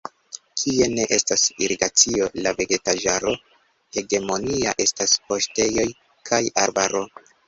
Kie ne estas irigacio, la vegetaĵaro hegemonia estas paŝtejoj kaj arbaro.